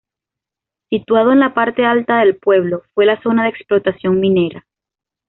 Situado en la parte alta del pueblo, fue la zona de explotación minera.